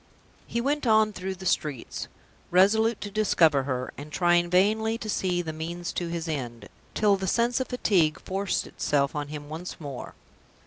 He went on through the streets, resolute to discover her, and trying vainly to see the means to his end, till the sense of fatigue forced itself on him once more.